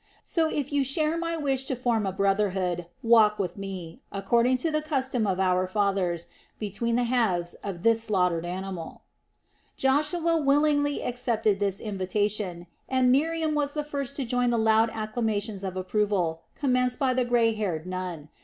So if you share my wish to form a brotherhood, walk with me, according to the custom of our fathers, between the halves of this slaughtered animal." Joshua willingly accepted this invitation, and Miriam was the first to join in the loud acclamations of approval commenced by the grey haired Nun.